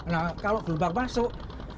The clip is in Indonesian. nah kalau gelombang masuk